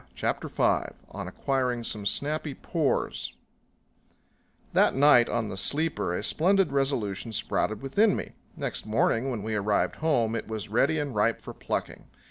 CHAPTER V On Acquiring Some Snappy Pores That night on the sleeper a splendid resolution sprouted within me. Next morning when we arrived home it was ready and ripe for plucking.